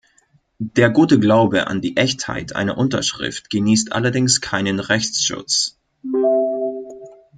Der gute Glaube an die Echtheit einer Unterschrift genießt allerdings keinen Rechtsschutz.